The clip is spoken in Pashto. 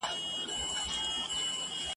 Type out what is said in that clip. د وطن د خیالونو ټالونو وزنګولم ..